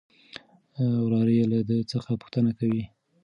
وراره يې له ده څخه پوښتنه کوي.